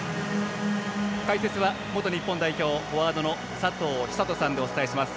解説は元日本代表フォワードの佐藤寿人さんでお伝えします。